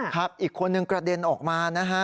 อีกคนนึงกระเด็นออกมานะฮะ